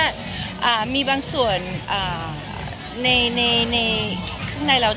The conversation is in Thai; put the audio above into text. ว่ามีบางส่วนในข้างในเรา